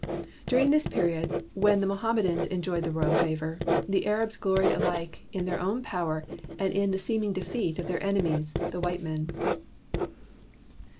During this period when the Mohamme dans enjoyed the royal favor, the Arabs gloried alike in their own power and in the seeming defeat of their enemies, the white men.